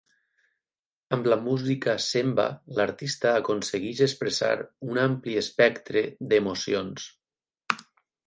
Amb la música Semba, l'artista aconsegueix expressar un ampli espectre d'emocions.